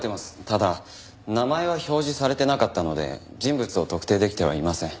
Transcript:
ただ名前は表示されてなかったので人物を特定できてはいません。